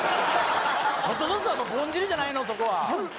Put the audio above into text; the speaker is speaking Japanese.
ちょっとずつだとぼんじりじゃないの、そこは。